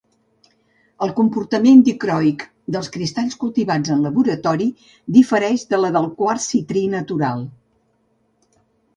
El comportament dicroic dels cristalls cultivats en laboratori difereix de la del quars citrí natural.